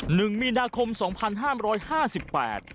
หนึ่งมีนาคมสองพันห้ามร้อยห้าสิบแปด